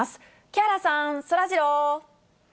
木原さん、そらジロー。